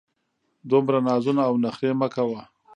دومره نازونه او نخرې مه کوه!